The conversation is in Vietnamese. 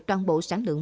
toàn bộ sản lượng